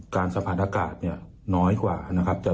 สภาพอากาศเนี่ยน้อยกว่านะครับ